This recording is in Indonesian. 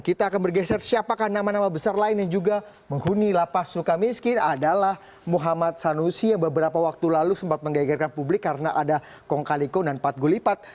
kita akan bergeser siapakah nama nama besar lain yang juga menghuni lapas suka miskin adalah muhammad sanusi yang beberapa waktu lalu sempat menggegerkan publik karena ada kong kali kong dan pat gulipat